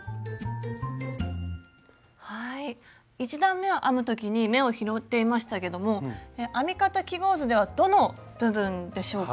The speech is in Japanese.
１段めを編む時に目を拾っていましたけども編み方記号図ではどの部分でしょうか？